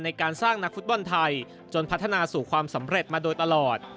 ในการสร้างนักฟุตบอลไทยจนพัฒนาสู่ความสำเร็จมาโดยตลอด